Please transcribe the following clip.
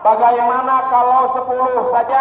bagaimana kalau sepuluh saja